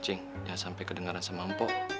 cing jangan sampai kedengaran sama mpok